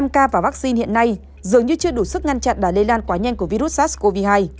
năm ca và vaccine hiện nay dường như chưa đủ sức ngăn chặn đá lây lan quá nhanh của virus sars cov hai